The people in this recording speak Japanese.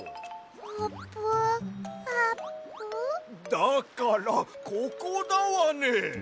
だからここだわね！